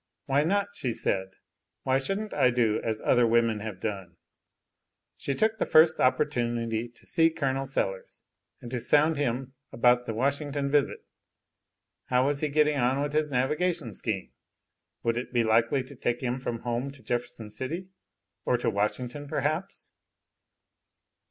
Why not, she said, why shouldn't I do as other women have done? She took the first opportunity to see Col. Sellers, and to sound him about the Washington visit. How was he getting on with his navigation scheme, would it be likely to take him from home to Jefferson City; or to Washington, perhaps?